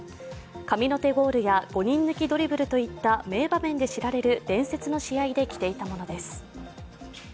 神の手ゴールや５人抜きドリブルといった名場面で知られる伝説の試合で着ていたものです。